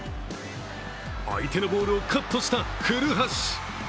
相手のボールをカットした古橋！